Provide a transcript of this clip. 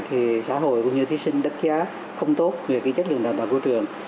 thì xã hội cũng như thí sinh đắc giá không tốt về chất lượng đào tạo của trường